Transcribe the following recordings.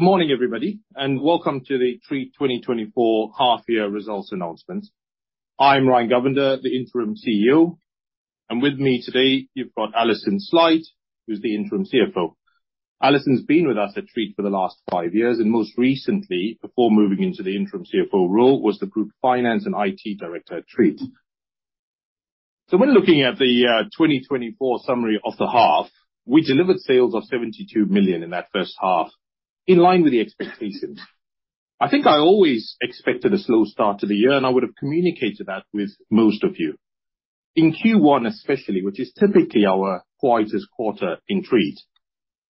Morning everybody, and welcome to the Treatt 2024 half-year results announcements. I'm Ryan Govender, the Interim CEO, and with me today you've got Alison Sleight, who's the Interim CFO. Alison's been with us at Treatt for the last five years, and most recently, before moving into the Interim CFO role, was the Group Finance and IT Director at Treatt. When looking at the 2024 summary of the half, we delivered sales of 72 million in that first half, in line with the expectations. I think I always expected a slow start to the year, and I would have communicated that with most of you. In Q1 especially, which is typically our quietest quarter in Treatt,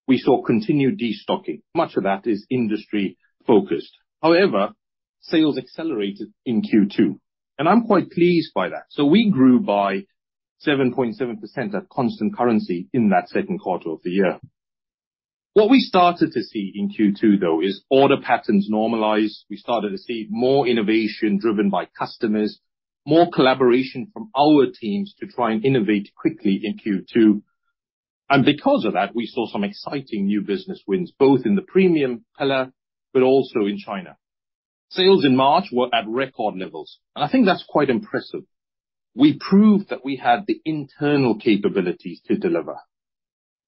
we saw continued destocking, much of that is industry-focused. However, sales accelerated in Q2, and I'm quite pleased by that. So we grew by 7.7% at constant currency in that second quarter of the year. What we started to see in Q2, though, is order patterns normalized. We started to see more innovation driven by customers, more collaboration from our teams to try and innovate quickly in Q2. And because of that, we saw some exciting new business wins, both in the premium pillar but also in China. Sales in March were at record levels, and I think that's quite impressive. We proved that we had the internal capabilities to deliver.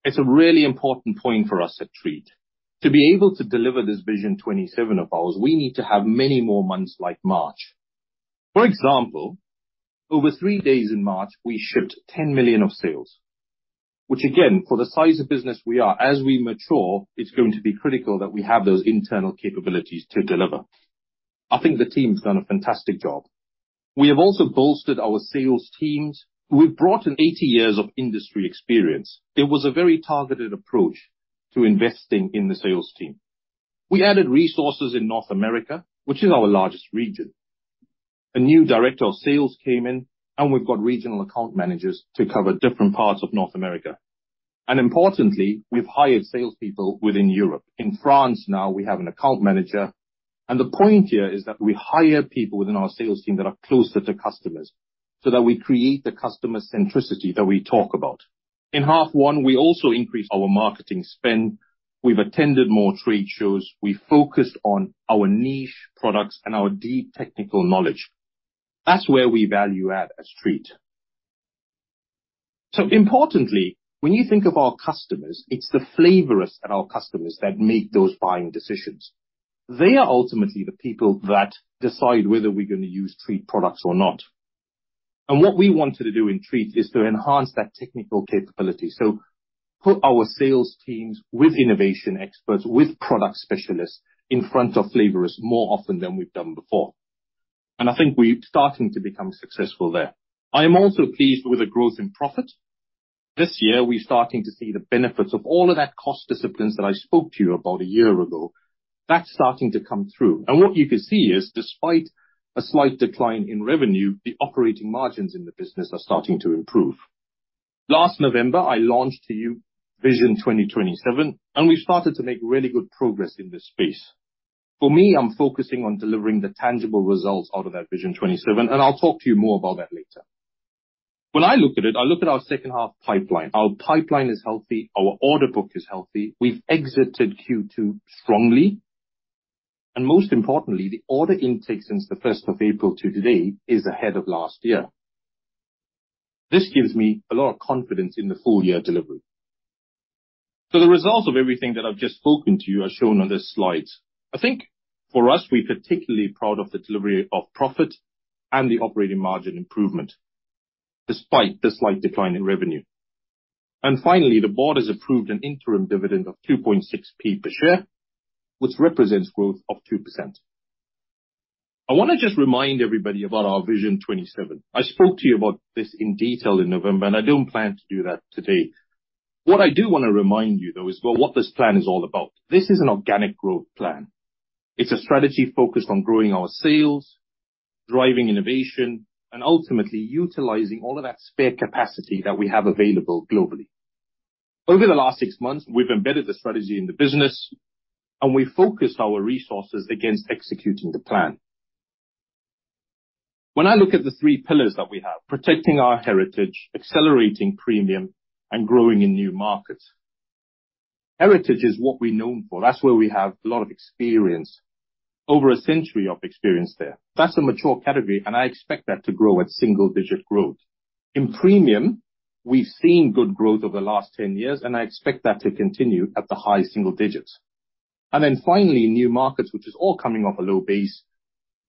It's a really important point for us at Treatt: to be able to deliver this Vision 2027 of ours, we need to have many more months like March. For example, over 3 days in March, we shipped 10 million of sales, which, again, for the size of business we are, as we mature, it's going to be critical that we have those internal capabilities to deliver. I think the team's done a fantastic job. We have also bolstered our sales teams. We've brought in 80 years of industry experience. It was a very targeted approach to investing in the sales team. We added resources in North America, which is our largest region. A new Director of Sales came in, and we've got regional account managers to cover different parts of North America. And importantly, we've hired salespeople within Europe. In France now, we have an account manager. And the point here is that we hire people within our sales team that are closer to customers so that we create the customer centricity that we talk about. In half one, we also increased our marketing spend. We've attended more trade shows. We focused on our niche products and our deep technical knowledge. That's where we value add as Treatt. So importantly, when you think of our customers, it's the flavorists at our customers that make those buying decisions. They are ultimately the people that decide whether we're going to use Treatt products or not. And what we wanted to do in Treatt is to enhance that technical capability, so put our sales teams with innovation experts, with product specialists, in front of flavorists more often than we've done before. And I think we're starting to become successful there. I am also pleased with the growth in profit. This year, we're starting to see the benefits of all of that cost discipline that I spoke to you about a year ago. That's starting to come through. What you can see is, despite a slight decline in revenue, the operating margins in the business are starting to improve. Last November, I launched to you Vision 2027, and we've started to make really good progress in this space. For me, I'm focusing on delivering the tangible results out of that Vision 27, and I'll talk to you more about that later. When I look at it, I look at our second-half pipeline. Our pipeline is healthy. Our order book is healthy. We've exited Q2 strongly. And most importantly, the order intake since the 1st of April to today is ahead of last year. This gives me a lot of confidence in the full-year delivery. The results of everything that I've just spoken to you are shown on this slide. I think for us, we're particularly proud of the delivery of profit and the operating margin improvement, despite the slight decline in revenue. Finally, the board has approved an interim dividend of 0.026 per share, which represents growth of 2%. I want to just remind everybody about our Vision 2027. I spoke to you about this in detail in November, and I don't plan to do that today. What I do want to remind you, though, is about what this plan is all about. This is an organic growth plan. It's a strategy focused on growing our sales, driving innovation, and ultimately utilizing all of that spare capacity that we have available globally. Over the last six months, we've embedded the strategy in the business, and we've focused our resources against executing the plan. When I look at the three pillars that we have: protecting our heritage, accelerating premium, and growing in new markets. Heritage is what we're known for. That's where we have a lot of experience, over a century of experience there. That's a mature category, and I expect that to grow at single-digit growth. In premium, we've seen good growth over the last 10 years, and I expect that to continue at the high single digits. And then finally, new markets, which is all coming off a low base,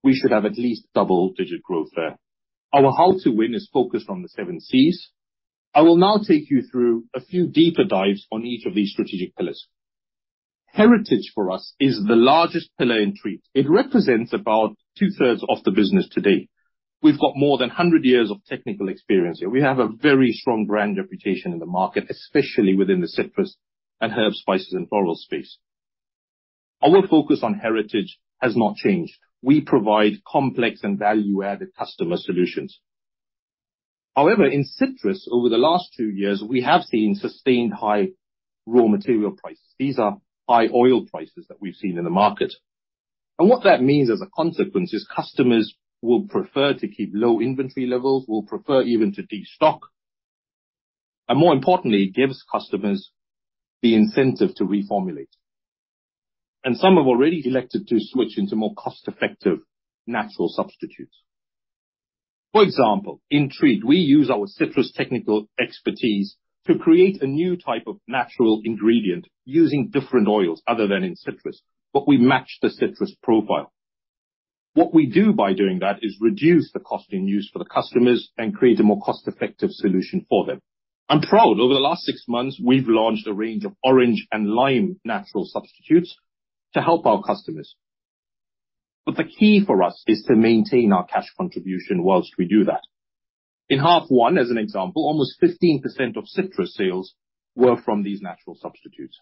we should have at least double-digit growth there. Our how-to win is focused on the 7Cs. I will now take you through a few deeper dives on each of these strategic pillars. Heritage for us is the largest pillar in Treatt. It represents about two-thirds of the business today. We've got more than 100 years of technical experience here. We have a very strong brand reputation in the market, especially within the citrus and herbs, spices, and floral space. Our focus on heritage has not changed. We provide complex and value-added customer solutions. However, in citrus, over the last 2 years, we have seen sustained high raw material prices. These are high oil prices that we've seen in the market. What that means as a consequence is customers will prefer to keep low inventory levels, will prefer even to destock, and more importantly, gives customers the incentive to reformulate. Some have already elected to switch into more cost-effective natural substitutes. For example, in Treatt, we use our citrus technical expertise to create a new type of natural ingredient using different oils other than in citrus, but we match the citrus profile. What we do by doing that is reduce the cost in use for the customers and create a more cost-effective solution for them. I'm proud over the last 6 months we've launched a range of orange and lime natural substitutes to help our customers. But the key for us is to maintain our cash contribution whilst we do that. In half one, as an example, almost 15% of citrus sales were from these natural substitutes.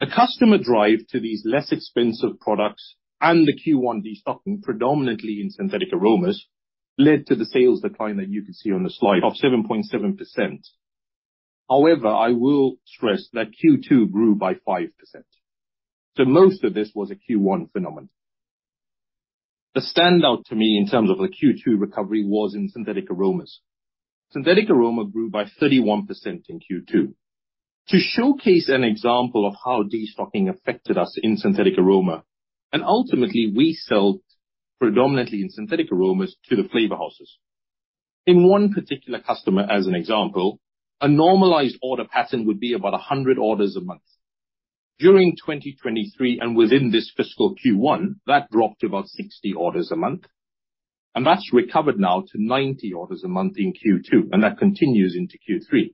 The customer drive to these less expensive products and the Q1 destocking, predominantly in synthetic aromas, led to the sales decline that you can see on the slide of 7.7%. However, I will stress that Q2 grew by 5%. So most of this was a Q1 phenomenon. The standout to me in terms of the Q2 recovery was in synthetic aromas. Synthetic aroma grew by 31% in Q2. To showcase an example of how destocking affected us in synthetic aroma, and ultimately we sell predominantly in synthetic aromas to the flavor houses. In one particular customer, as an example, a normalized order pattern would be about 100 orders a month. During 2023 and within this fiscal Q1, that dropped to about 60 orders a month, and that's recovered now to 90 orders a month in Q2, and that continues into Q3.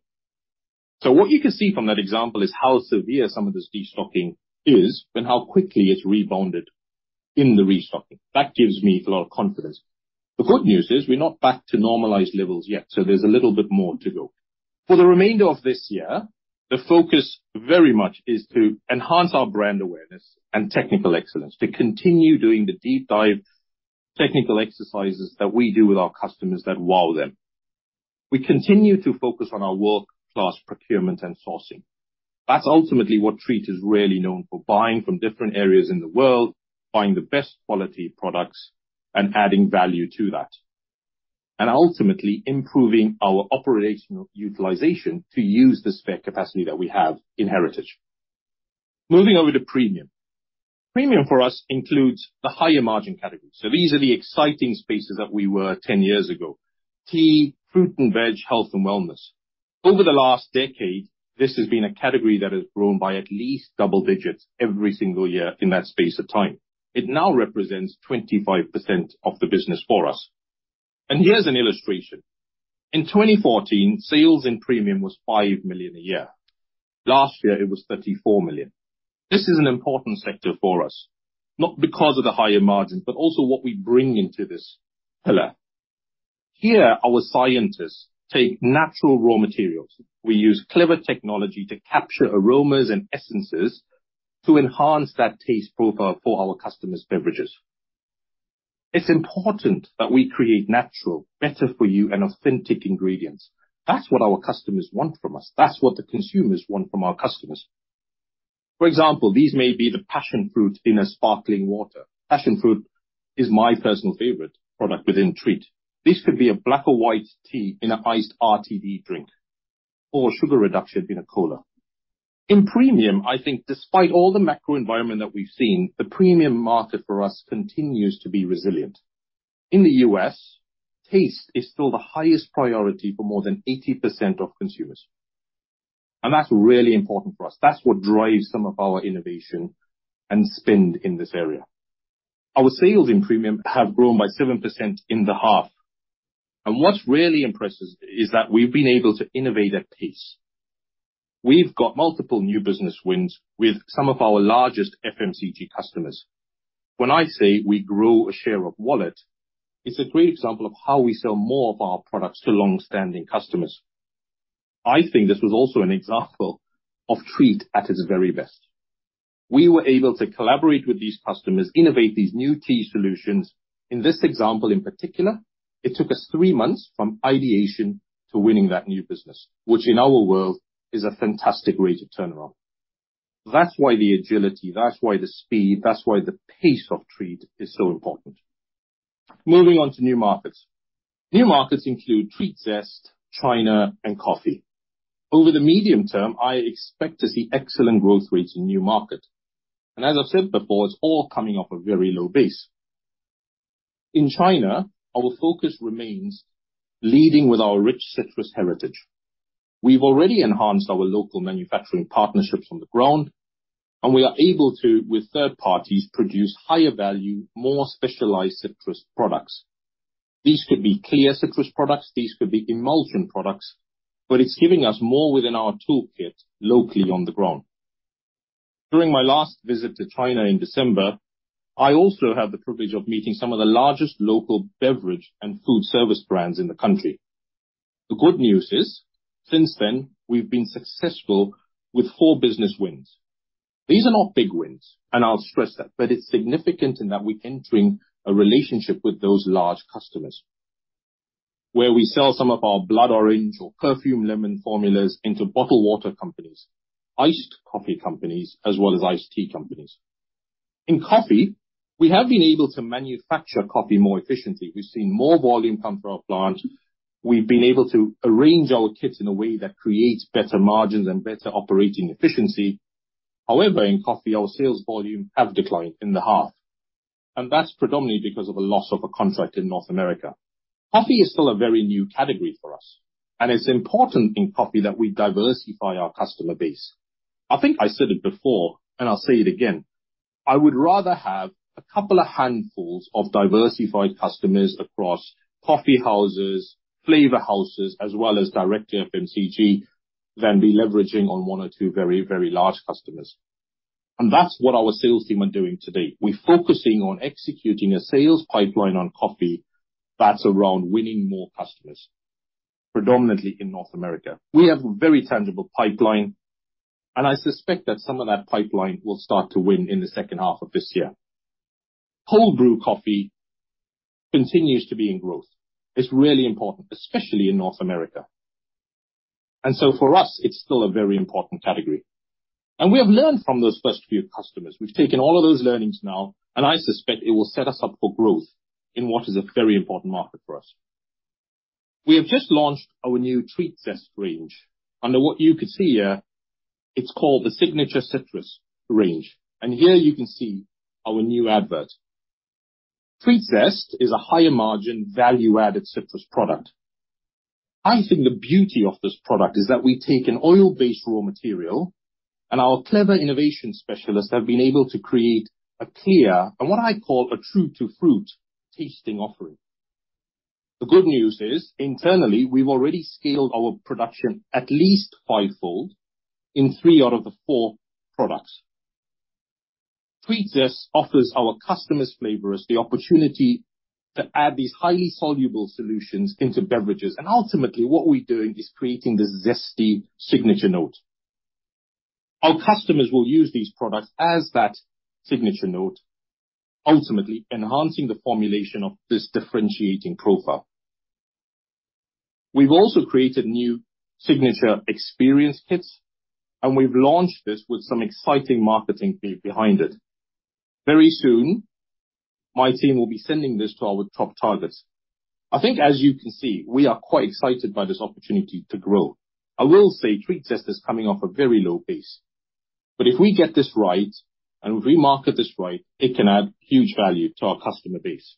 So what you can see from that example is how severe some of this destocking is and how quickly it's rebounded in the restocking. That gives me a lot of confidence. The good news is we're not back to normalized levels yet, so there's a little bit more to go. For the remainder of this year, the focus very much is to enhance our brand awareness and technical excellence, to continue doing the deep-dive technical exercises that we do with our customers that wow them. We continue to focus on our world-class procurement and sourcing. That's ultimately what Treatt is really known for: buying from different areas in the world, buying the best quality products, and adding value to that, and ultimately improving our operational utilization to use the spare capacity that we have in heritage. Moving over to premium. Premium for us includes the higher margin categories. So these are the exciting spaces that we were 10 years ago: tea, fruit and veg, health and wellness. Over the last decade, this has been a category that has grown by at least double digits every single year in that space of time. It now represents 25% of the business for us. Here's an illustration. In 2014, sales in premium was 5 million a year. Last year, it was 34 million. This is an important sector for us, not because of the higher margins, but also what we bring into this pillar. Here, our scientists take natural raw materials. We use clever technology to capture aromas and essences to enhance that taste profile for our customers' beverages. It's important that we create natural, better-for-you and authentic ingredients. That's what our customers want from us. That's what the consumers want from our customers. For example, these may be the passion fruit in a sparkling water. Passion fruit is my personal favorite product within Treatt. This could be a black or white tea in an iced RTD drink or sugar reduction in a cola. In premium, I think despite all the macro environment that we've seen, the premium market for us continues to be resilient. In the US, taste is still the highest priority for more than 80% of consumers, and that's really important for us. That's what drives some of our innovation and spend in this area. Our sales in premium have grown by 7% in the half. What's really impressive is that we've been able to innovate at pace. We've got multiple new business wins with some of our largest FMCG customers. When I say we grow a share of wallet, it's a great example of how we sell more of our products to longstanding customers. I think this was also an example of Treatt at its very best. We were able to collaborate with these customers, innovate these new tea solutions. In this example in particular, it took us 3 months from ideation to winning that new business, which in our world is a fantastic rate of turnaround. That's why the agility, that's why the speed, that's why the pace of Treatt is so important. Moving on to new markets. New markets include TreattZest, China, and coffee. Over the medium term, I expect to see excellent growth rates in new markets. And as I've said before, it's all coming off a very low base. In China, our focus remains leading with our rich citrus heritage. We've already enhanced our local manufacturing partnerships on the ground, and we are able to, with third parties, produce higher-value, more specialized citrus products. These could be clear citrus products. These could be emulsion products. But it's giving us more within our toolkit locally on the ground. During my last visit to China in December, I also had the privilege of meeting some of the largest local beverage and food service brands in the country. The good news is, since then, we've been successful with 4 business wins. These are not big wins, and I'll stress that. But it's significant in that we're entering a relationship with those large customers, where we sell some of our blood orange or perfume lemon formulas into bottled water companies, iced coffee companies, as well as iced tea companies. In coffee, we have been able to manufacture coffee more efficiently. We've seen more volume come through our plant. We've been able to arrange our kits in a way that creates better margins and better operating efficiency. However, in coffee, our sales volume has declined in the half. That's predominantly because of a loss of a contract in North America. Coffee is still a very new category for us. It's important in coffee that we diversify our customer base. I think I said it before, and I'll say it again. I would rather have a couple of handfuls of diversified customers across coffee houses, flavor houses, as well as direct to FMCG, than be leveraging on 1 or 2 very, very large customers. That's what our sales team are doing today. We're focusing on executing a sales pipeline on coffee that's around winning more customers, predominantly in North America. We have a very tangible pipeline, and I suspect that some of that pipeline will start to win in the second half of this year. Whold brew coffee continues to be in growth. It's really important, especially in North America. So for us, it's still a very important category. We have learned from those first few customers. We've taken all of those learnings now, and I suspect it will set us up for growth in what is a very important market for us. We have just launched our new TreattZest range. Under what you could see here, it's called the Signature Citrus range. And here you can see our new advert. TreattZest is a higher-margin, value-added citrus product. I think the beauty of this product is that we take an oil-based raw material, and our clever innovation specialists have been able to create a clear, and what I call a true-to-fruit tasting offering. The good news is, internally, we've already scaled our production at least five-fold in three out of the four products. TreattZest offers our customers' flavorists the opportunity to add these highly soluble solutions into beverages. And ultimately, what we're doing is creating this zesty signature note. Our customers will use these products as that signature note, ultimately enhancing the formulation of this differentiating profile. We've also created new signature experience kits, and we've launched this with some exciting marketing behind it. Very soon, my team will be sending this to our top targets. I think, as you can see, we are quite excited by this opportunity to grow. I will say TreattZest is coming off a very low base. But if we get this right and if we market this right, it can add huge value to our customer base.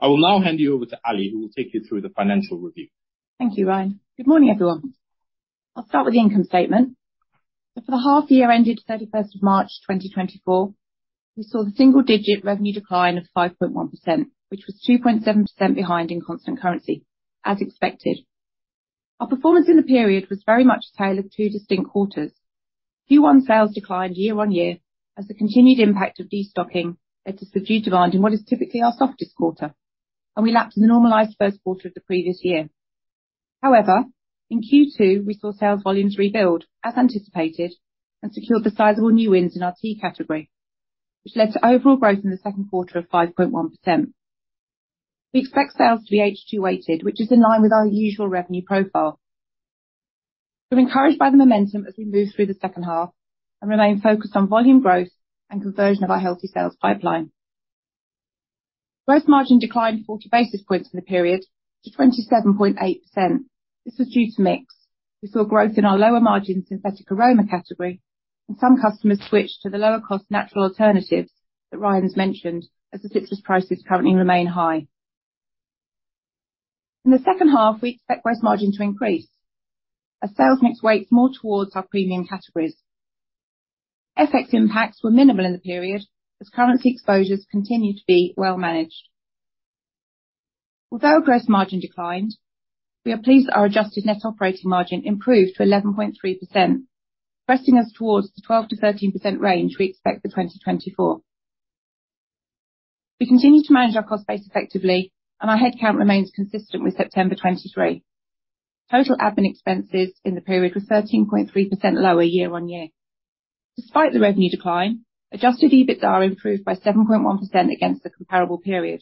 I will now hand you over to Ali, who will take you through the financial review. Thank you, Ryan. Good morning, everyone. I'll start with the income statement. So for the half year ended March 31, 2024, we saw the single-digit revenue decline of 5.1%, which was 2.7% behind in constant currency, as expected. Our performance in the period was very much tailored to distinct quarters. Q1 sales declined year-on-year as the continued impact of destocking led to subdued demand in what is typically our softest quarter, and we lapped in the normalized first quarter of the previous year. However, in Q2, we saw sales volumes rebuild, as anticipated, and secured the sizable new wins in our tea category, which led to overall growth in the second quarter of 5.1%. We expect sales to be H2-weighted, which is in line with our usual revenue profile. We're encouraged by the momentum as we move through the second half and remain focused on volume growth and conversion of our healthy sales pipeline. Gross margin declined 40 basis points in the period to 27.8%. This was due to mix. We saw growth in our lower-margin synthetic aroma category, and some customers switched to the lower-cost natural alternatives that Ryan's mentioned as the citrus prices currently remain high. In the second half, we expect gross margin to increase as sales mix weights more towards our premium categories. FX impacts were minimal in the period as currency exposures continue to be well managed. Although gross margin declined, we are pleased that our adjusted net operating margin improved to 11.3%, pressing us towards the 12%-13% range we expect for 2024. We continue to manage our cost base effectively, and our headcount remains consistent with September 2023. Total admin expenses in the period were 13.3% lower year-over-year. Despite the revenue decline, adjusted EBITDA improved by 7.1% against the comparable period,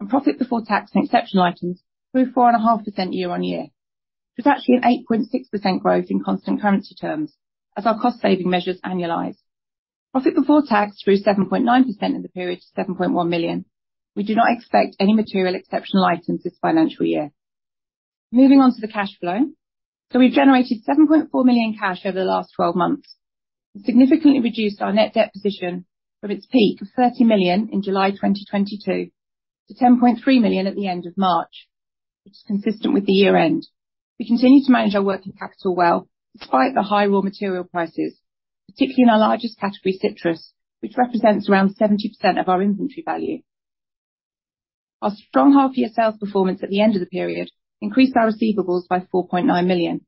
and profit before tax and exceptional items grew 4.5% year-over-year. There's actually an 8.6% growth in constant currency terms as our cost-saving measures annualize. Profit before tax grew 7.9% in the period to 7.1 million. We do not expect any material exceptional items this financial year. Moving on to the cash flow. So we've generated 7.4 million cash over the last 12 months and significantly reduced our net debt position from its peak of 30 million in July 2022 to 10.3 million at the end of March, which is consistent with the year-end. We continue to manage our working capital well despite the high raw material prices, particularly in our largest category, citrus, which represents around 70% of our inventory value. Our strong half-year sales performance at the end of the period increased our receivables by 4.9 million.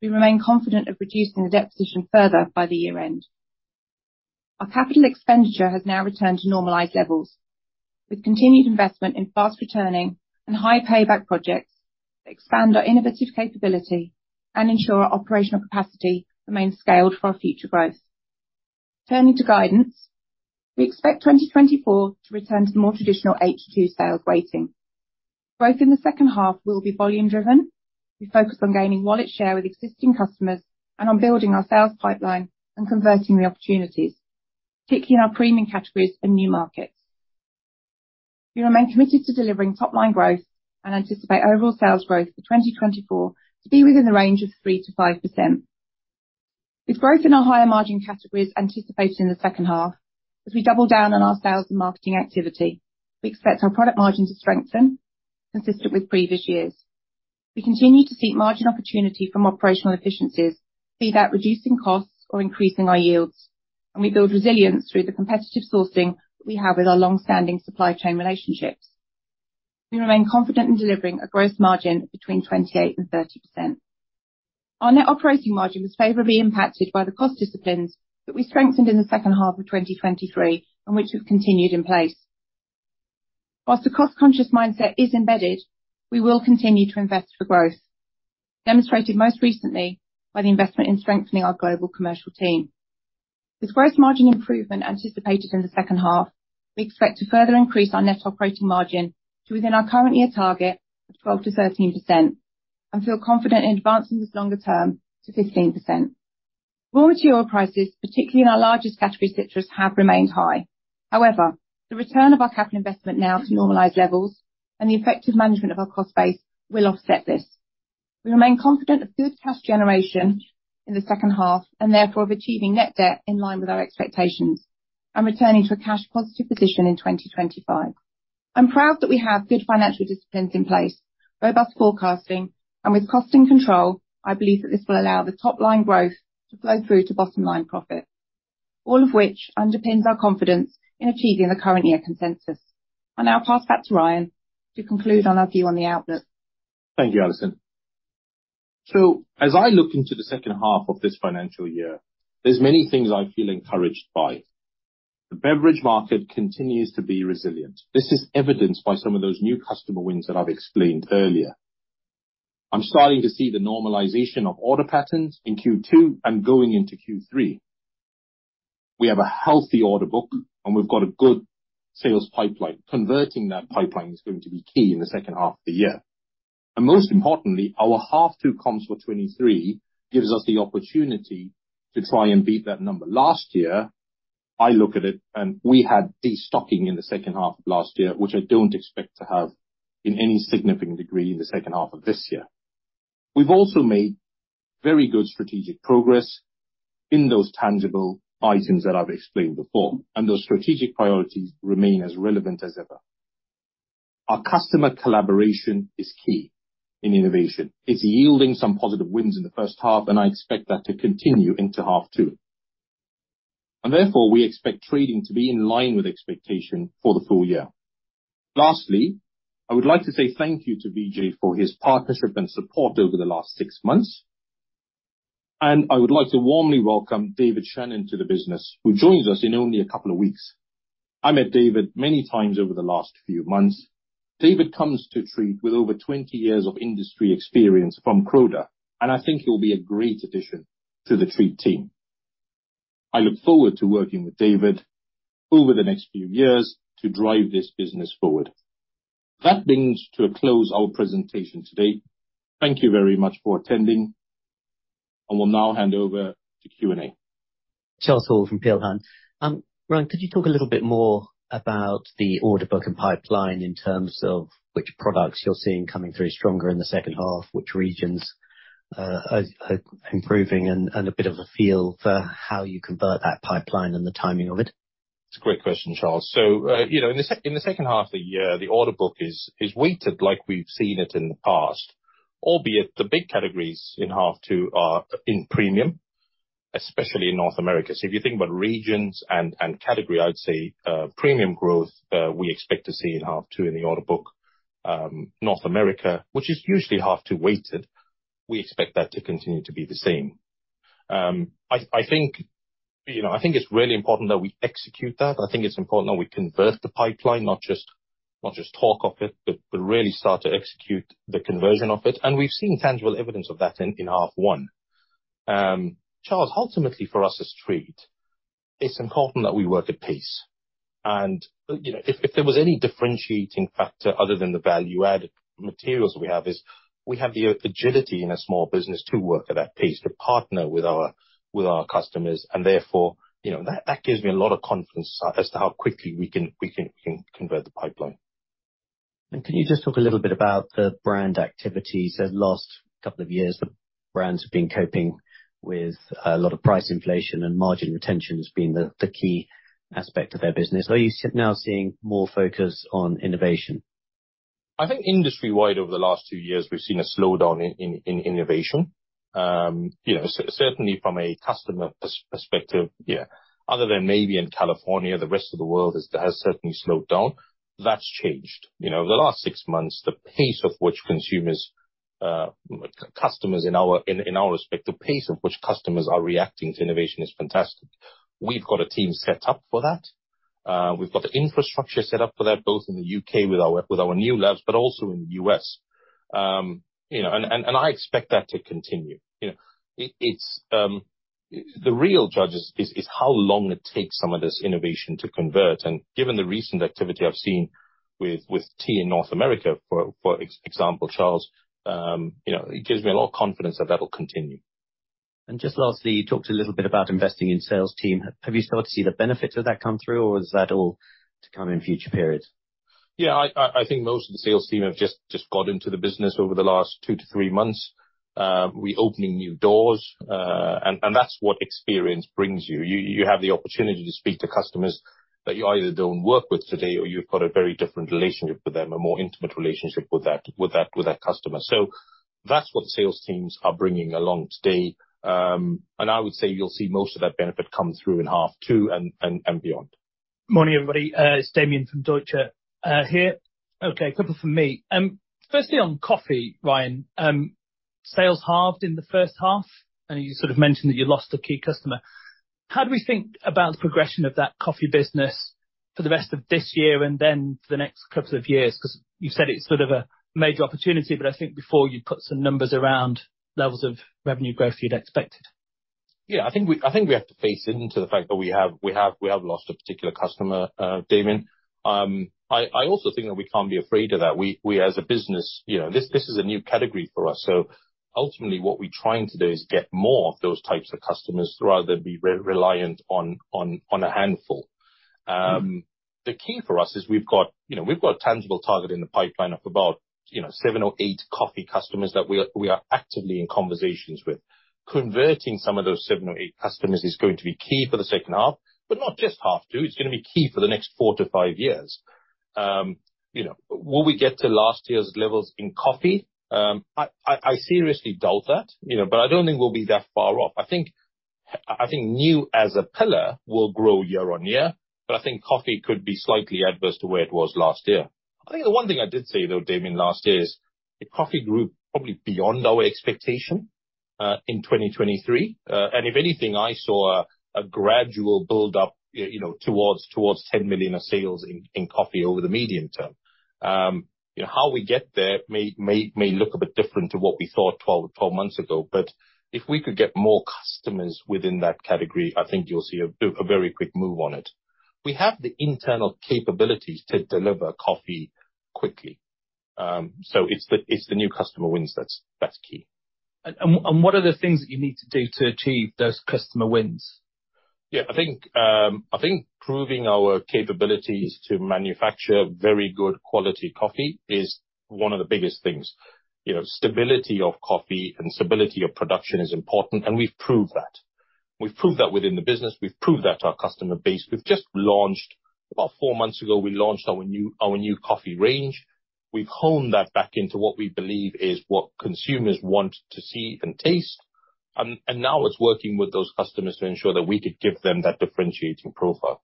We remain confident of reducing the debt position further by the year-end. Our capital expenditure has now returned to normalized levels with continued investment in fast-returning and high-payback projects that expand our innovative capability and ensure our operational capacity remains scaled for our future growth. Turning to guidance, we expect 2024 to return to the more traditional H2 sales weighting. Growth in the second half will be volume-driven. We focus on gaining wallet share with existing customers and on building our sales pipeline and converting the opportunities, particularly in our premium categories and new markets. We remain committed to delivering top-line growth and anticipate overall sales growth for 2024 to be within the range of 3%-5%. With growth in our higher-margin categories anticipated in the second half, as we double down on our sales and marketing activity, we expect our product margin to strengthen, consistent with previous years. We continue to seek margin opportunity from operational efficiencies, be that reducing costs or increasing our yields. We build resilience through the competitive sourcing that we have with our longstanding supply chain relationships. We remain confident in delivering a gross margin between 28% and 30%. Our net operating margin was favorably impacted by the cost disciplines that we strengthened in the second half of 2023 and which have continued in place. While a cost-conscious mindset is embedded, we will continue to invest for growth, demonstrated most recently by the investment in strengthening our global commercial team. With gross margin improvement anticipated in the second half, we expect to further increase our net operating margin to within our current-year target of 12%-13% and feel confident in advancing this longer term to 15%. Raw material prices, particularly in our largest category, citrus, have remained high. However, the return of our capital investment now to normalized levels and the effective management of our cost base will offset this. We remain confident of good cash generation in the second half and therefore of achieving net debt in line with our expectations and returning to a cash-positive position in 2025. I'm proud that we have good financial disciplines in place, robust forecasting, and with cost and control, I believe that this will allow the top-line growth to flow through to bottom-line profit, all of which underpins our confidence in achieving the current-year consensus. I'll now pass back to Ryan to conclude on our view on the outlook. Thank you, Alison. So as I look into the second half of this financial year, there's many things I feel encouraged by. The beverage market continues to be resilient. This is evidenced by some of those new customer wins that I've explained earlier. I'm starting to see the normalization of order patterns in Q2 and going into Q3. We have a healthy order book, and we've got a good sales pipeline. Converting that pipeline is going to be key in the second half of the year. And most importantly, our H1 comps for 2023 gives us the opportunity to try and beat that number. Last year, I look at it, and we had destocking in the second half of last year, which I don't expect to have in any significant degree in the second half of this year. We've also made very good strategic progress in those tangible items that I've explained before, and those strategic priorities remain as relevant as ever. Our customer collaboration is key in innovation. It's yielding some positive wins in the first half, and I expect that to continue into H2. Therefore, we expect trading to be in line with expectation for the full year. Lastly, I would like to say thank you to Vijay for his partnership and support over the last 6 months. I would like to warmly welcome David Shannon to the business, who joins us in only a couple of weeks. I met David many times over the last few months. David comes to Treatt with over 20 years of industry experience from Croda, and I think he'll be a great addition to the Treatt team. I look forward to working with David over the next few years to drive this business forward. That brings to a close our presentation today. Thank you very much for attending, and we'll now hand over to Q&A. Charles Hall from Peel Hunt. Ryan, could you talk a little bit more about the order book and pipeline in terms of which products you're seeing coming through stronger in the second half, which regions are improving, and a bit of a feel for how you convert that pipeline and the timing of it? It's a great question, Charles. So in the second half of the year, the order book is weighted like we've seen it in the past, albeit the big categories in half-two are in premium, especially in North America. So if you think about regions and category, I'd say premium growth we expect to see in half-two in the order book. North America, which is usually half-two weighted, we expect that to continue to be the same. I think it's really important that we execute that. I think it's important that we convert the pipeline, not just talk of it, but really start to execute the conversion of it. And we've seen tangible evidence of that in half-one. Charles, ultimately for us as Treatt, it's important that we work at pace. If there was any differentiating factor other than the value-added materials we have, we have the agility in a small business to work at that pace, to partner with our customers. Therefore, that gives me a lot of confidence as to how quickly we can convert the pipeline. Can you just talk a little bit about the brand activities? Last couple of years, the brands have been coping with a lot of price inflation, and margin retention has been the key aspect of their business. Are you now seeing more focus on innovation? I think industry-wide over the last two years, we've seen a slowdown in innovation. Certainly from a customer perspective, yeah, other than maybe in California, the rest of the world has certainly slowed down. That's changed. Over the last six months, the pace of which customers are reacting to innovation is fantastic. We've got a team set up for that. We've got the infrastructure set up for that, both in the U.K. with our new labs, but also in the U.S. And I expect that to continue. The real judge is how long it takes some of this innovation to convert. And given the recent activity I've seen with tea in North America, for example, Charles, it gives me a lot of confidence that that'll continue. Just lastly, you talked a little bit about investing in sales team. Have you started to see the benefits of that come through, or is that all to come in future periods? Yeah, I think most of the sales team have just got into the business over the last 2-3 months. We're opening new doors, and that's what experience brings you. You have the opportunity to speak to customers that you either don't work with today or you've got a very different relationship with them, a more intimate relationship with that customer. So that's what the sales teams are bringing along today. And I would say you'll see most of that benefit come through in H2 and beyond. Morning, everybody. It's Damian from Deutsche here. Okay, a couple from me. Firstly, on coffee, Ryan, sales halved in the first half, and you sort of mentioned that you lost a key customer. How do we think about the progression of that coffee business for the rest of this year and then for the next couple of years? Because you've said it's sort of a major opportunity, but I think before you put some numbers around levels of revenue growth you'd expected. Yeah, I think we have to face into the fact that we have lost a particular customer, Damian. I also think that we can't be afraid of that. We, as a business, this is a new category for us. So ultimately, what we're trying to do is get more of those types of customers rather than be reliant on a handful. The key for us is we've got a tangible target in the pipeline of about 7 or 8 coffee customers that we are actively in conversations with. Converting some of those 7 or 8 customers is going to be key for the second half, but not just half-to. It's going to be key for the next 4-5 years. Will we get to last year's levels in coffee? I seriously doubt that, but I don't think we'll be that far off. I think new as a pillar will grow year on year, but I think coffee could be slightly adverse to where it was last year. I think the one thing I did say, though, Damian, last year is coffee grew probably beyond our expectation in 2023. And if anything, I saw a gradual buildup towards 10 million of sales in coffee over the medium term. How we get there may look a bit different to what we thought 12 months ago. But if we could get more customers within that category, I think you'll see a very quick move on it. We have the internal capabilities to deliver coffee quickly. So it's the new customer wins that's key. What are the things that you need to do to achieve those customer wins? Yeah, I think proving our capabilities to manufacture very good quality coffee is one of the biggest things. Stability of coffee and stability of production is important, and we've proved that. We've proved that within the business. We've proved that to our customer base. We've just launched about 4 months ago, we launched our new coffee range. We've honed that back into what we believe is what consumers want to see and taste. And now it's working with those customers to ensure that we could give them that differentiating profile.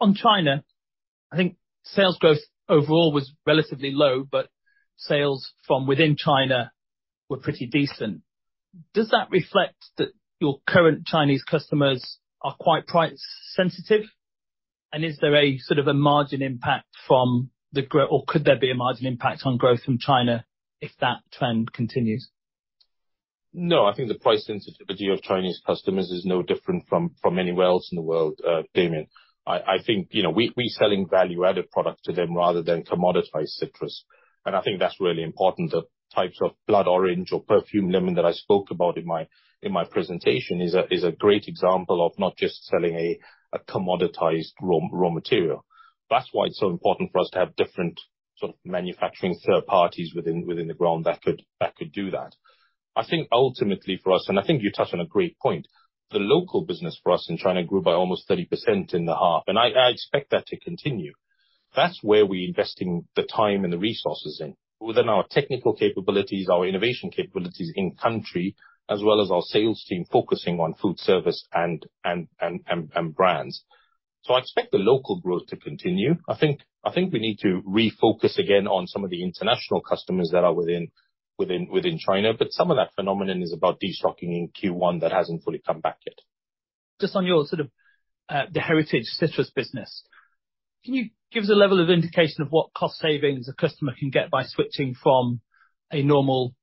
On China, I think sales growth overall was relatively low, but sales from within China were pretty decent. Does that reflect that your current Chinese customers are quite price-sensitive? And is there a sort of a margin impact from the or could there be a margin impact on growth from China if that trend continues? No, I think the price sensitivity of Chinese customers is no different from anywhere else in the world, Damian. I think we're selling value-added products to them rather than commoditized citrus. I think that's really important. The types of Blood Orange or Perfume Lemon that I spoke about in my presentation is a great example of not just selling a commoditized raw material. That's why it's so important for us to have different sort of manufacturing third parties within the ground that could do that. I think ultimately for us and I think you touch on a great point. The local business for us in China grew by almost 30% in the half, and I expect that to continue. That's where we're investing the time and the resources in, within our technical capabilities, our innovation capabilities in country, as well as our sales team focusing on food service and brands. So I expect the local growth to continue. I think we need to refocus again on some of the international customers that are within China, but some of that phenomenon is about destocking in Q1 that hasn't fully come back yet. Just on your sort of the heritage citrus business, can you give us a level of indication of what cost savings a customer can get by switching from a normal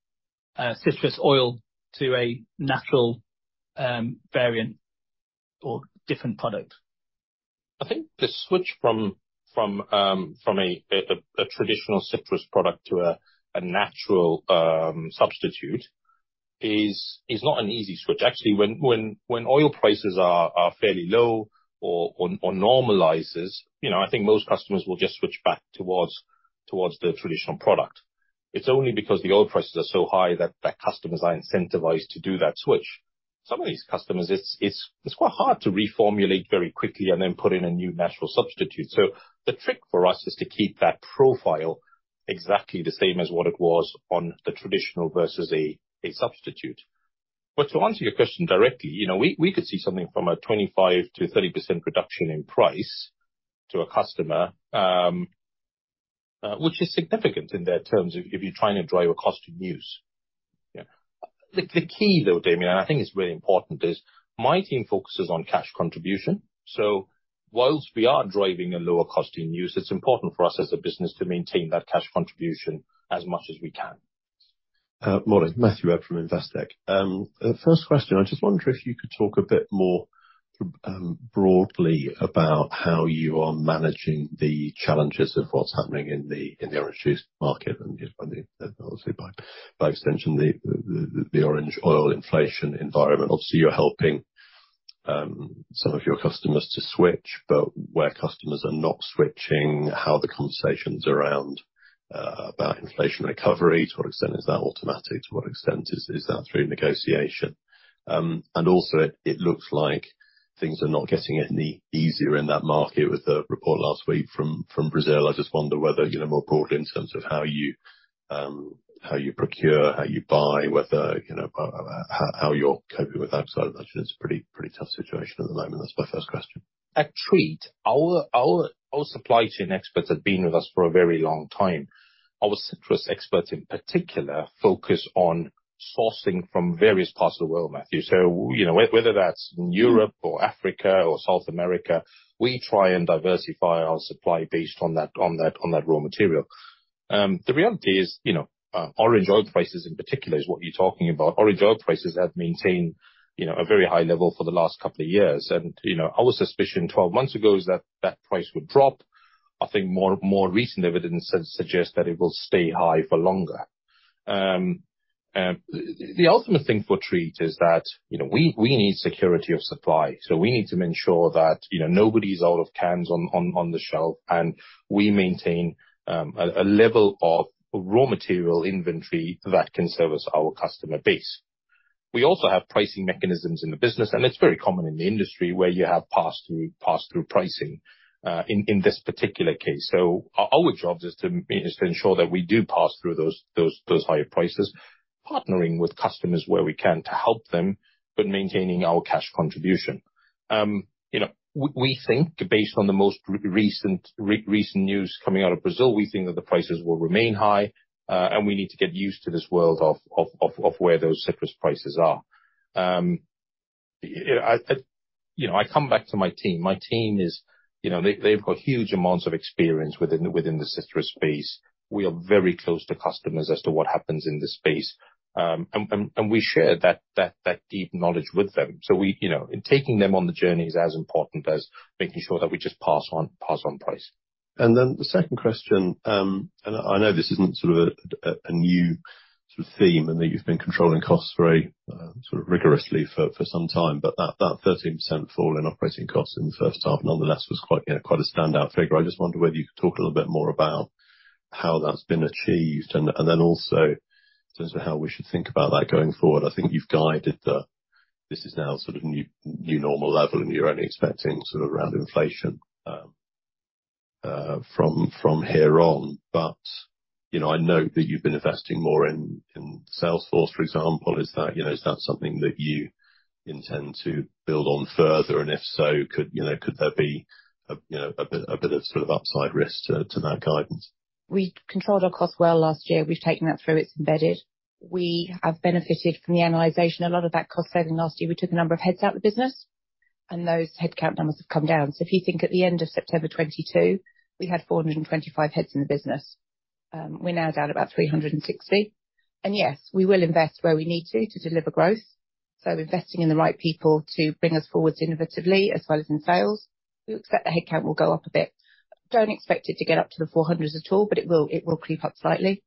citrus oil to a natural variant or different product? I think the switch from a traditional citrus product to a natural substitute is not an easy switch. Actually, when oil prices are fairly low or normalize, I think most customers will just switch back towards the traditional product. It's only because the oil prices are so high that customers are incentivized to do that switch. Some of these customers, it's quite hard to reformulate very quickly and then put in a new natural substitute. So the trick for us is to keep that profile exactly the same as what it was on the traditional versus a substitute. But to answer your question directly, we could see something from a 25%-30% reduction in price to a customer, which is significant in their terms if you're trying to drive a cost of use. The key, though, Damian, and I think it's really important, is my team focuses on cash contribution. So whilst we are driving a lower cost in use, it's important for us as a business to maintain that cash contribution as much as we can. Morning, Matthew Webb from Investec. First question, I just wonder if you could talk a bit more broadly about how you are managing the challenges of what's happening in the orange juice market and, obviously, by extension, the orange oil inflation environment. Obviously, you're helping some of your customers to switch, but where customers are not switching, how the conversations are around inflation recovery, to what extent is that automatic, to what extent is that through negotiation. And also, it looks like things are not getting any easier in that market with the report last week from Brazil. I just wonder whether, more broadly in terms of how you procure, how you buy, how you're coping with that. Because I imagine it's a pretty tough situation at the moment. That's my first question. At Treatt, our supply chain experts have been with us for a very long time. Our citrus experts in particular focus on sourcing from various parts of the world, Matthew. So whether that's Europe or Africa or South America, we try and diversify our supply based on that raw material. The reality is orange oil prices in particular is what you're talking about. Orange oil prices have maintained a very high level for the last couple of years. Our suspicion 12 months ago is that that price would drop. I think more recent evidence suggests that it will stay high for longer. The ultimate thing for Treatt is that we need security of supply. So we need to ensure that nobody's out of cans on the shelf, and we maintain a level of raw material inventory that can service our customer base. We also have pricing mechanisms in the business, and it's very common in the industry where you have pass-through pricing in this particular case. So our job is to ensure that we do pass through those higher prices, partnering with customers where we can to help them, but maintaining our cash contribution. We think based on the most recent news coming out of Brazil, we think that the prices will remain high, and we need to get used to this world of where those citrus prices are. I come back to my team. My team is they've got huge amounts of experience within the citrus space. We are very close to customers as to what happens in the space. And we share that deep knowledge with them. So taking them on the journey is as important as making sure that we just pass on price. And then the second question, and I know this isn't sort of a new sort of theme and that you've been controlling costs very sort of rigorously for some time, but that 13% fall in operating costs in the first half nonetheless was quite a standout figure. I just wonder whether you could talk a little bit more about how that's been achieved and then also in terms of how we should think about that going forward. I think you've guided that this is now sort of new normal level, and you're only expecting sort of around inflation from here on. But I note that you've been investing more in sales force, for example. Is that something that you intend to build on further? And if so, could there be a bit of sort of upside risk to that guidance? We controlled our costs well last year. We've taken that through. It's embedded. We have benefited from the optimization. A lot of that cost saving last year, we took a number of heads out of the business, and those headcount numbers have come down. So if you think at the end of September 2022, we had 425 heads in the business. We're now down about 360. And yes, we will invest where we need to to deliver growth. So investing in the right people to bring us forward innovatively as well as in sales, we accept the headcount will go up a bit. Don't expect it to get up to the 400s at all, but it will creep up slightly.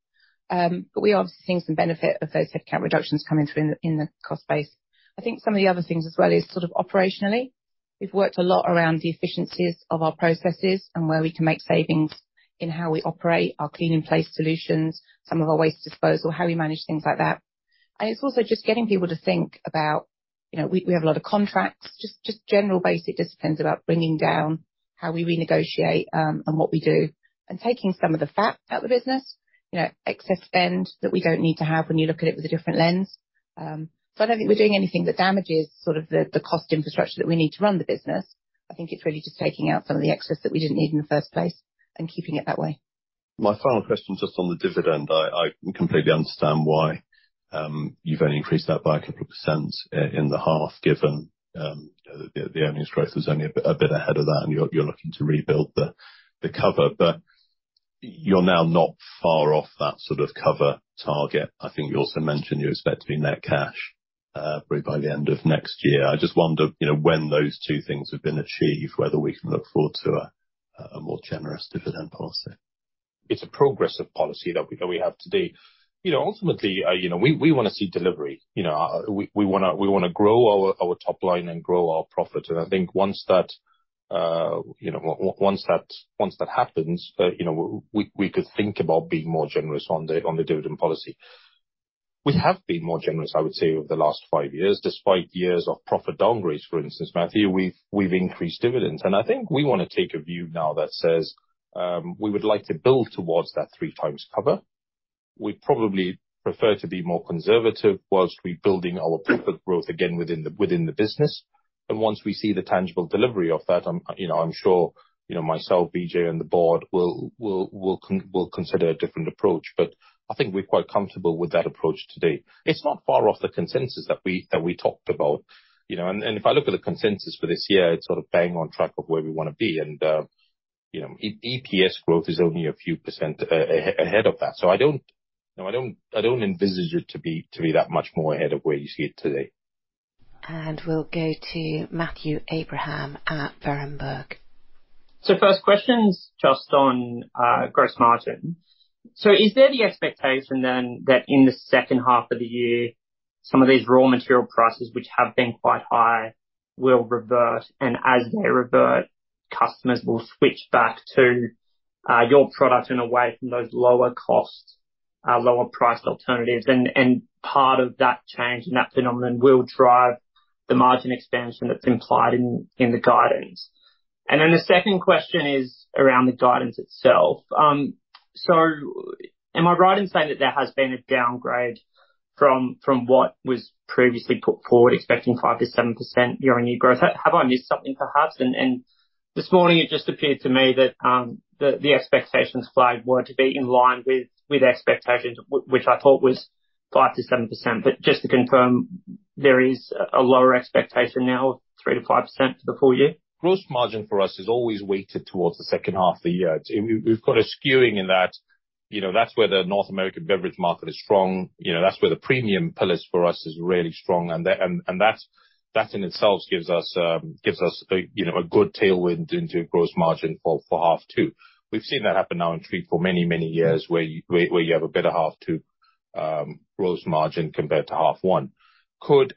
But we obviously see some benefit of those headcount reductions coming through in the cost base. I think some of the other things as well is sort of operationally. We've worked a lot around the efficiencies of our processes and where we can make savings in how we operate our clean-in-place solutions, some of our waste disposal, how we manage things like that. And it's also just getting people to think about we have a lot of contracts, just general basic disciplines about bringing down how we renegotiate and what we do, and taking some of the fat out of the business, excess spend that we don't need to have when you look at it with a different lens. So I don't think we're doing anything that damages sort of the cost infrastructure that we need to run the business. I think it's really just taking out some of the excess that we didn't need in the first place and keeping it that way. My final question just on the dividend. I completely understand why you've only increased that by a couple of % in the half given the earnings growth was only a bit ahead of that and you're looking to rebuild the cover. But you're now not far off that sort of cover target. I think you also mentioned you expect to be net cash by the end of next year. I just wonder when those two things have been achieved, whether we can look forward to a more generous dividend policy. It's a progressive policy that we have to do. Ultimately, we want to see delivery. We want to grow our top line and grow our profit. I think once that happens, we could think about being more generous on the dividend policy. We have been more generous, I would say, over the last five years. Despite years of profit downgrades, for instance, Matthew, we've increased dividends. I think we want to take a view now that says we would like to build towards that three-times cover. We'd probably prefer to be more conservative whilst we're building our profit growth again within the business. Once we see the tangible delivery of that, I'm sure myself, Vijay, and the board will consider a different approach. But I think we're quite comfortable with that approach today. It's not far off the consensus that we talked about. If I look at the consensus for this year, it's sort of bang on track of where we want to be. And EPS growth is only a few% ahead of that. So I don't envisage it to be that much more ahead of where you see it today. We'll go to Matthew Abraham at Berenberg. So first question's just on gross margin. So is there the expectation then that in the second half of the year, some of these raw material prices, which have been quite high, will revert? And as they revert, customers will switch back to your product in a way from those lower cost, lower-priced alternatives? And part of that change and that phenomenon will drive the margin expansion that's implied in the guidance. And then the second question is around the guidance itself. So am I right in saying that there has been a downgrade from what was previously put forward, expecting 5%-7% year-on-year growth? Have I missed something, perhaps? And this morning, it just appeared to me that the expectations flagged were to be in line with expectations, which I thought was 5%-7%. Just to confirm, there is a lower expectation now of 3%-5% for the full year? Gross margin for us is always weighted towards the second half of the year. We've got a skewing in that. That's where the North American beverage market is strong. That's where the premium pillars for us are really strong. And that in itself gives us a good tailwind into a gross margin for half two. We've seen that happen now in Treatt for many, many years where you have a better half two gross margin compared to half one. Could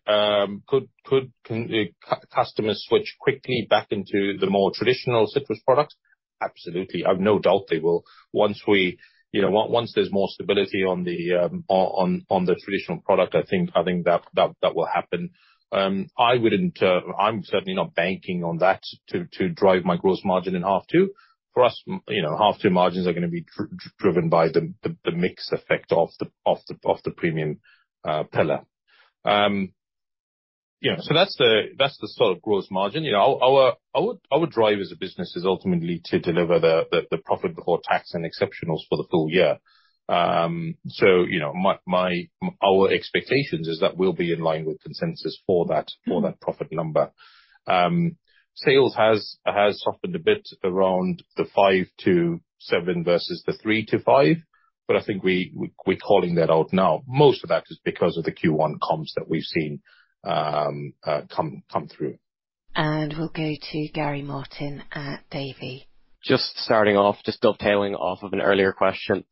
customers switch quickly back into the more traditional citrus product? Absolutely. I have no doubt they will. Once there's more stability on the traditional product, I think that will happen. I'm certainly not banking on that to drive my gross margin in half two. For us, half two margins are going to be driven by the mixed effect of the premium pillar. So that's the sort of gross margin. Our drive as a business is ultimately to deliver the profit before tax and exceptionals for the full year. So our expectations is that we'll be in line with consensus for that profit number. Sales has softened a bit around the 5-7 versus the 3-5, but I think we're calling that out now. Most of that is because of the Q1 comms that we've seen come through. We'll go to Gary Martin at Davy. Just starting off, just dovetailing off of an earlier question,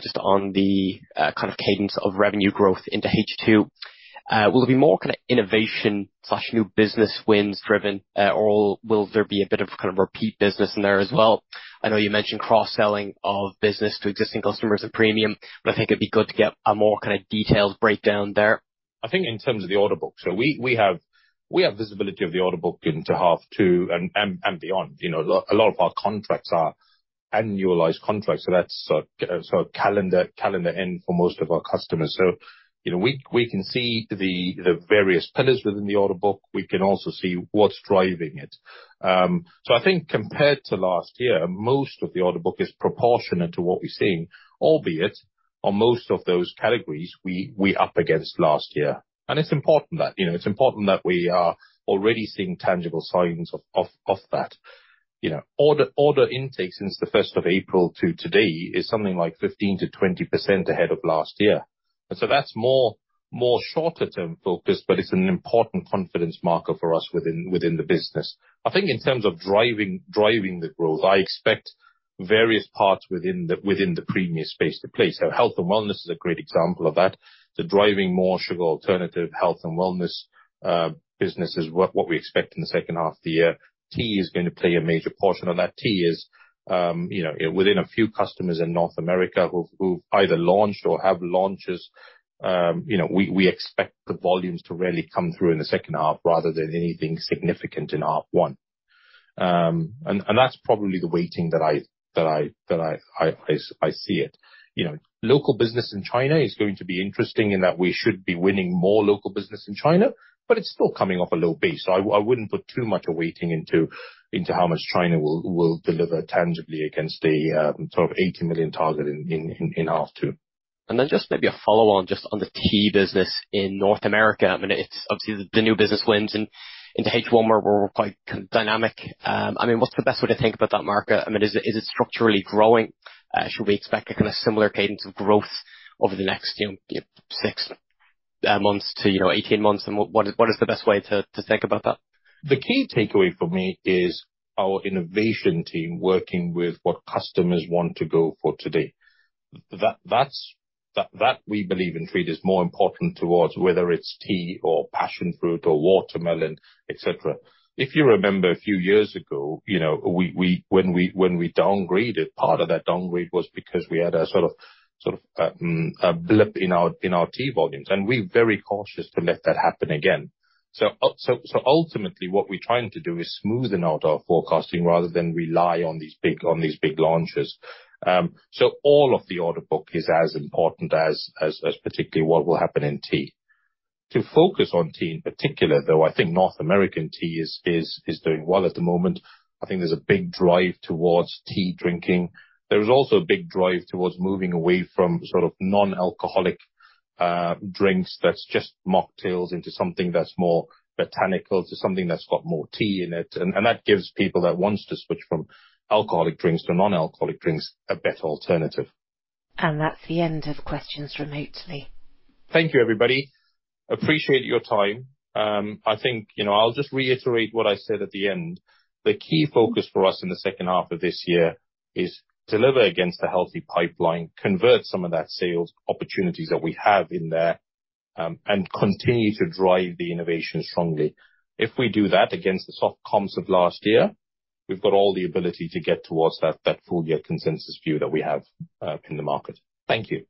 just on the kind of cadence of revenue growth into H2. Will there be more kind of innovation/new business wins driven, or will there be a bit of kind of repeat business in there as well? I know you mentioned cross-selling of business to existing customers and premium, but I think it'd be good to get a more kind of detailed breakdown there. I think in terms of the order book. So we have visibility of the order book into half two and beyond. A lot of our contracts are annualized contracts, so that's sort of calendar end for most of our customers. So we can see the various pillars within the order book. We can also see what's driving it. So I think compared to last year, most of the order book is proportionate to what we're seeing, albeit on most of those categories, we're up against last year. And it's important that. It's important that we are already seeing tangible signs of that. Order intake since the 1st of April to today is something like 15%-20% ahead of last year. And so that's more shorter-term focused, but it's an important confidence marker for us within the business. I think in terms of driving the growth, I expect various parts within the premium space to play. So health and wellness is a great example of that. The driving more sugar alternative health and wellness business is what we expect in the second half of the year. Tea is going to play a major portion on that. Tea is within a few customers in North America who've either launched or have launches. We expect the volumes to really come through in the second half rather than anything significant in half one. That's probably the weighting that I see it. Local business in China is going to be interesting in that we should be winning more local business in China, but it's still coming off a low base. I wouldn't put too much a weighting into how much China will deliver tangibly against the sort of 80 million target in half two. And then just maybe a follow-on just on the tea business in North America. I mean, it's obviously the new business wins into H1 where we're quite kind of dynamic. I mean, what's the best way to think about that market? I mean, is it structurally growing? Should we expect a kind of similar cadence of growth over the next 6 months to 18 months? And what is the best way to think about that? The key takeaway for me is our innovation team working with what customers want to go for today. That we believe in Treatt is more important towards whether it's tea or passion fruit or watermelon, etc. If you remember a few years ago, when we downgraded, part of that downgrade was because we had a sort of blip in our tea volumes. And we're very cautious to let that happen again. So ultimately, what we're trying to do is smoothen out our forecasting rather than rely on these big launches. So all of the order book is as important as particularly what will happen in tea. To focus on tea in particular, though, I think North American tea is doing well at the moment. I think there's a big drive towards tea drinking. There is also a big drive towards moving away from sort of non-alcoholic drinks that's just mocktails into something that's more botanical, to something that's got more tea in it. That gives people that want to switch from alcoholic drinks to non-alcoholic drinks a better alternative. That's the end of questions remotely. Thank you, everybody. Appreciate your time. I think I'll just reiterate what I said at the end. The key focus for us in the second half of this year is deliver against a healthy pipeline, convert some of that sales opportunities that we have in there, and continue to drive the innovation strongly. If we do that against the soft comps of last year, we've got all the ability to get towards that full-year consensus view that we have in the market. Thank you.